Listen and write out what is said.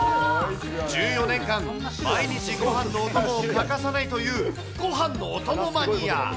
１４年間、毎日ごはんのお供を欠かさないという、ごはんのお供マニア。